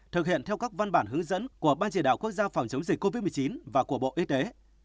thực hiện theo các văn bản hướng dẫn của ban chỉ đạo quốc gia phòng chống dịch covid một mươi chín và của bộ y tế